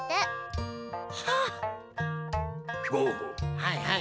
はいはい。